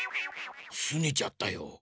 すねちゃったよ。